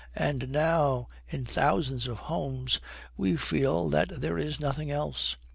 And now, in thousands of homes we feel that there is nothing else.